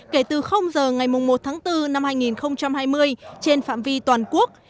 kể từ giờ ngày một tháng bốn năm hai nghìn hai mươi trên phạm vi toàn quốc